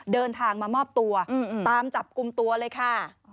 เดินทางมามอบตัวตามจับกลุ่มตัวเลยค่ะ